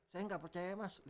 saya gak percaya mas